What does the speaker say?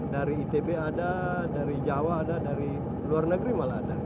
dari itb ada dari jawa ada dari luar negeri malah ada